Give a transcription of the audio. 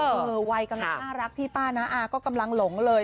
วัยกำลังน่ารักพี่ป้าน้าอาก็กำลังหลงเลย